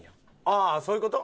ああそういう事？